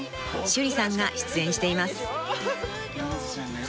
趣里さんが出演しています］